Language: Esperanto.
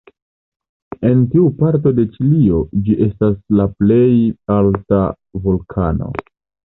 En tiu parto de Ĉilio, ĝi estas la plej alta vulkano.